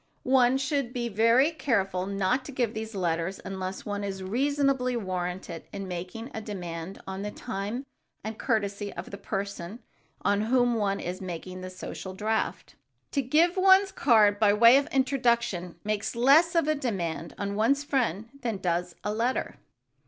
One should be very careful not to give these letters unless one is reasonably warranted in making a demand on the time and courtesy of the person on whom one is making the social draft. To give one's card by way of introduction makes less of a demand on one's friend than does a letter.